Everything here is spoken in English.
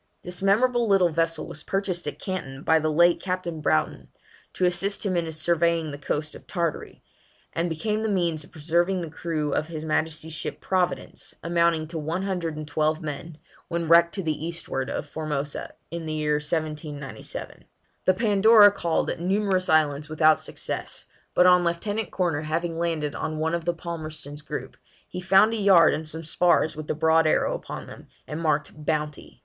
This memorable little vessel was purchased at Canton by the late Captain Broughton, to assist him in surveying the coast of Tartary, and became the means of preserving the crew of his Majesty's ship Providence, amounting to one hundred and twelve men, when wrecked to the eastward of Formosa, in the year 1797. The Pandora called at numerous islands without success, but on Lieutenant Corner having landed on one of the Palmerston's group, he found a yard and some spars with the broad arrow upon them, and marked Bounty.